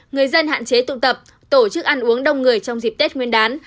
người dân hạn chế tụ tập tổ chức ăn uống đông người trong dịp tết nguyên đán